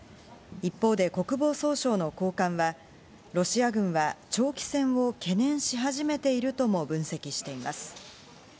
一方で国防総省の高官はロシア軍は長期戦を懸念し始めているとも分析しています。